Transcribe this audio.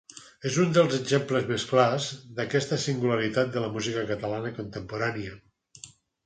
És un dels exemples més clars d'aquesta singularitat de la música catalana contemporània.